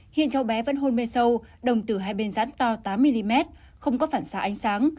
hiện cháu bé vẫn hôn mê sâu đồng từ hai bên rãn to tám mm không có phản xa ánh sáng